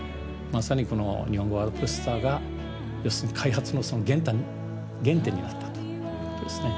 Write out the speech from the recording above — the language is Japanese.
まさにこの日本語ワード・プロセッサーが要するに開発の原点になったということですね。